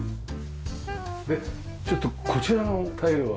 ちょっとこちらのタイルは？